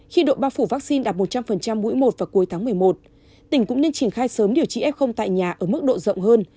khi độ bao phủ vaccine đạt một trăm linh mỗi một vào cuối tháng một mươi một tỉnh cũng nên triển khai sớm điều trị f tại nhà ở mức độ rộng hơn